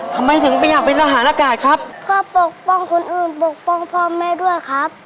ทำไมถึงไม่อยากเป็นทหารอากาศครับก็ปกป้องคนอื่นปกป้องพ่อแม่ด้วยครับ